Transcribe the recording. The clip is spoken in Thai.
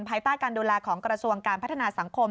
ภายใต้การดูแลของกระทรวงการพัฒนาสังคม